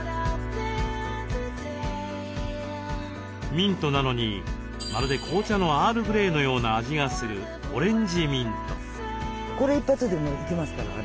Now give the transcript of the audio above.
ミントなのにまるで紅茶のアールグレイのような味がするオレンジミント。